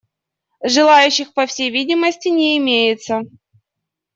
Желающих, по всей видимости, не имеется.